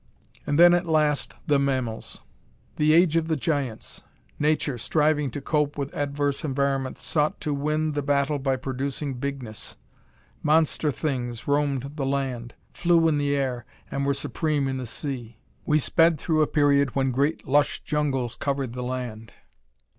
And then, at last, the mammals. The age of the giants! Nature, striving to cope with adverse environment sought to win the battle by producing bigness. Monster things roamed the land, flew in the air, and were supreme in the sea.... We sped through a period when great lush jungles covered the land.